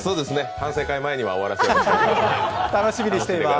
反省会前には終わらせたいと思います。